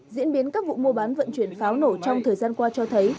diễn biến các vụ mua bán vận chuyển pháo nổ trong thời gian qua cho thấy